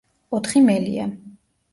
ოთხი მელია.